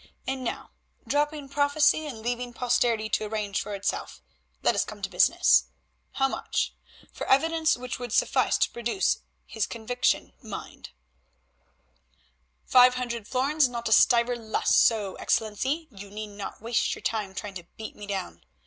And now, dropping prophecy and leaving posterity to arrange for itself, let us come to business. How much? For evidence which would suffice to procure his conviction, mind." "Five hundred florins, not a stiver less, so, Excellency, you need not waste your time trying to beat me down.